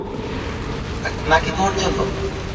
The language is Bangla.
নাকি তোর জন্য?